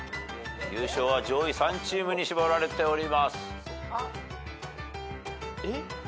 優勝は上位３チームに絞られております。